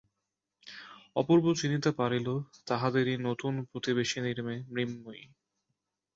অপূর্ব চিনিতে পারিল তাহাদেরই নূতন প্রতিবেশিনীর মেয়ে মৃন্ময়ী।